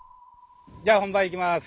じゃあ本番いきます。